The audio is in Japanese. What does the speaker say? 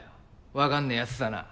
わかんねぇやつだな。